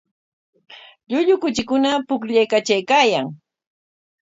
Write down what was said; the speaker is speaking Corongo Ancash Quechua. Llullu kuchikuna pukllaykatraykaayan.